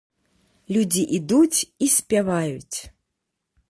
Людзі ідуць і спяваюць!